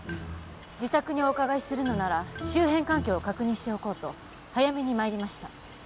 自宅にお伺いするのなら周辺環境を確認しておこうと早めにまいりました